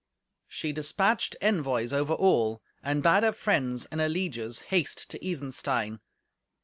She dispatched envoys over all, and bade her friends and her lieges haste to Isenstein.